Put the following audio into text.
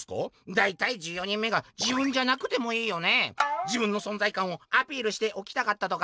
「だいたい１４人目が自分じゃなくてもいいよね。自分の存在感をアピールしておきたかったとか？